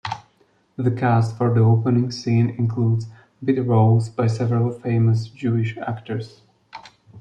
The cast for the opening scene includes bit roles by several famous Jewish actors.